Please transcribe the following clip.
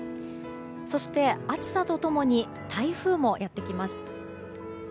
そして、暑さと共に台風もやってきます。